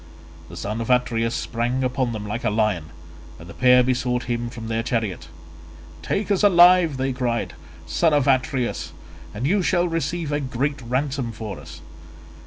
The son of Atreus sprang upon them like a lion, and the pair besought him from their chariot. "Take us alive," they cried, "son of Atreus, and you shall receive a great ransom for us.